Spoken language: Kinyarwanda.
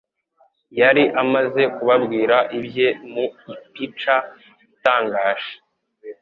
Yari amaze kubabwira ibye mu ipica itangaje,